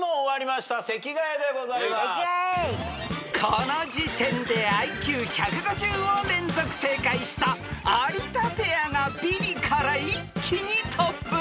［この時点でＩＱ１５０を連続正解した有田ペアがビリから一気にトップへ］